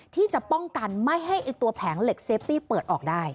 ที่จะป้องกันไม่ให้ตัวแผงเหล็กเซฟตี้เปิดออกได้